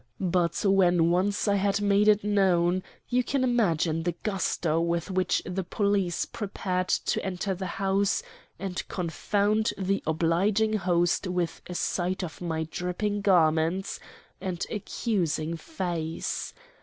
But when once I had made it known, you can imagine the gusto with which the police prepared to enter the house and confound the obliging host with a sight of my dripping garments and accusing face.